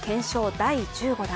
第１５弾。